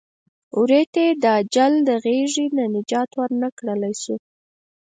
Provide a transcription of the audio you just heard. وري ته یې د اجل د غېږې نه نجات ور نه کړلی شو.